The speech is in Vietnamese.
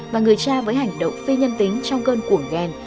và người cha với hành động phi nhân tính trong cơn củ ghen